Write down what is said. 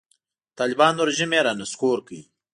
د طالبانو رژیم یې رانسکور کړ.